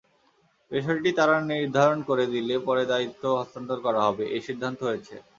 বিষয়টি তাঁরা নির্ধারণ করে দিলে পরে দায়িত্ব হস্তান্তর করা হবে—এ সিদ্ধান্ত হয়েছে।